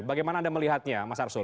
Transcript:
bagaimana anda melihatnya mas arsul